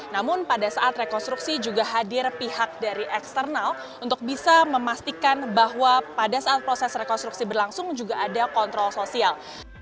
namun pada saat rekonstruksi juga hadir pihak dari eksternal untuk bisa memastikan bahwa pada saat proses rekonstruksi berlangsung juga ada kontrol sosial